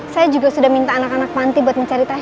saya juga sudah minta anak anak panti buat mencari tahu